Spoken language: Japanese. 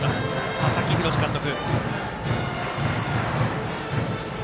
佐々木洋監督。